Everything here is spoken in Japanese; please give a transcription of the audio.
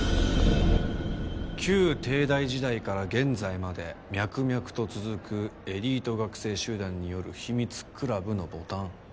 「旧帝大時代から現在まで脈々と続くエリート学生集団による秘密倶楽部のボタン」